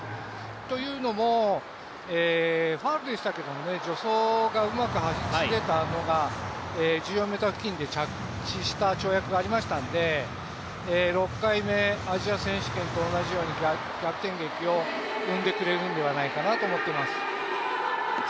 というのも、ファウルでしたけれども助走がうまく走れたのが、１４ｍ付近で着地した跳躍がありましたので６回目、アジア選手権と同じように逆転劇を生んでくれるんではないかなと思っています。